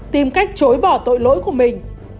tìm cách chối bỏ tội lỗi của mình